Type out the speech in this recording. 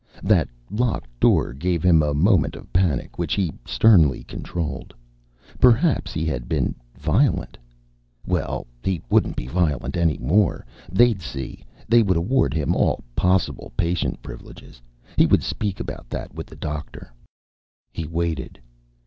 That locked door gave him a moment of panic which he sternly controlled. Perhaps he had been violent. Well, he wouldn't be violent any more. They'd see. They would award him all possible patient privileges. He would speak about that with the doctor. He waited.